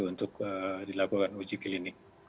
untuk dilakukan uji klinik